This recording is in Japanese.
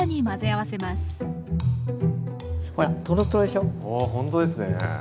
あほんとですね。